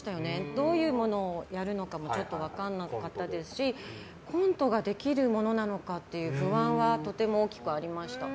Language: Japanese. どういうものをやるのかも分からなかったですしコントができるものなのかっていう不安はとても大きくありました。